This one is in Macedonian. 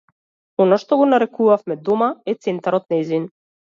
Она што го нарекуваме д о м а, е центарот нејзин.